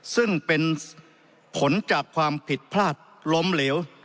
ซึ่งเป็นผลจากความผิดพลาดล้มเหลว